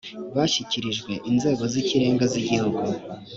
byashyikirijwe inzego z’ikirenga z’igihugu